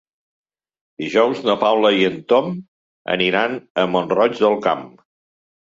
Dijous na Paula i en Tom aniran a Mont-roig del Camp.